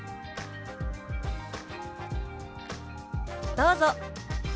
どうぞ。